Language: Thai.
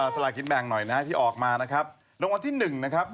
สลายกิจแบงค์หน่อยนะครับที่ออกมานะครับลงมาที่หนึ่งนะครับ